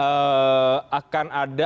atau mungkin akan ada tiga kandidat